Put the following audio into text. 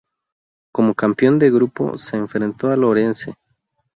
Como campeón de grupo se enfrentó al Orense.